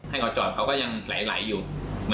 มีเมื่อกี่นัดครับ